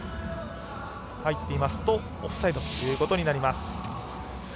入っていますとオフサイドということになります。